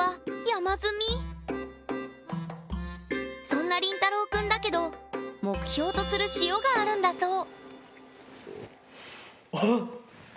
そんなりんたろうくんだけど目標とする「塩」があるんだそう。